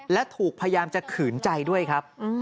และถูกพยายามจะขืนใจด้วยครับ